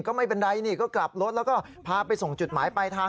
ก็ไม่เป็นไรนี่ก็กลับรถแล้วก็พาไปส่งจุดหมายปลายทาง